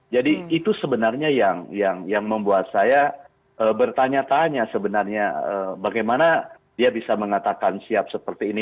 itu sebenarnya yang membuat saya bertanya tanya sebenarnya bagaimana dia bisa mengatakan siap seperti ini